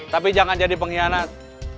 tapi jangan jadi pengkhianat